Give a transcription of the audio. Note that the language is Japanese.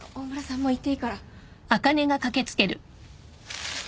もう行っていいから。